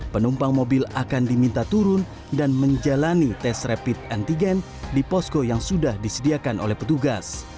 penumpang mobil akan diminta turun dan menjalani tes rapid antigen di posko yang sudah disediakan oleh petugas